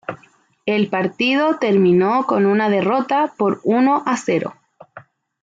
El partido terminó con una derrota por uno a cero.